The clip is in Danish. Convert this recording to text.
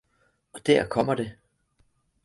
Og der kommer det